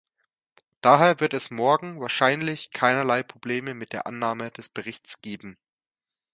Daher wird es morgen wahrscheinlich keinerlei Probleme mit der Annahme des Berichts geben.